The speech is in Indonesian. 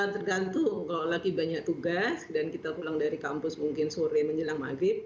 tergantung kalau lagi banyak tugas dan kita pulang dari kampus mungkin sore menjelang maghrib